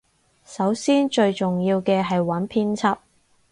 首先最重要嘅係揾編輯